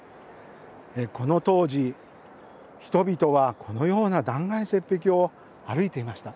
この当時人々はこのような断崖絶壁を歩いていました。